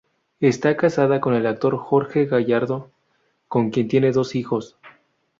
Está casada con el actor Jorge Gajardo, con quien tiene dos hijos.